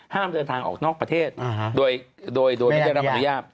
ห้ามเดินทางออกนอกประเทศโดยไม่ได้รับอนุญาต